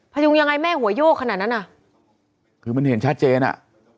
พยุงยังไงแม่หัวโยกขนาดนั้นอ่ะคือมันเห็นชัดเจนอ่ะ